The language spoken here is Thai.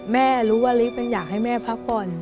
ไม่รู้ว่าลิฟต์อยากให้แม่พักผ่อน